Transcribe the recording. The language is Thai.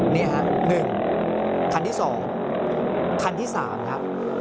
นี่ฮะ๑คันที่๒คันที่๓ครับ